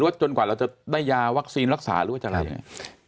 จนกว่าเราจะได้ยาวัคซีนรักษาหรือว่าจะอะไรยังไง